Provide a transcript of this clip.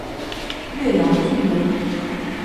略阳郡人。